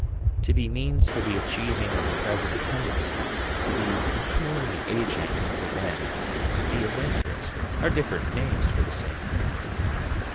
To be means for the achieving of present tendencies, to be "between" the agent and his end, to be of interest, are different names for the same thing.